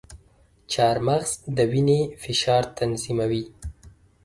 چارمغز د وینې فشار تنظیموي.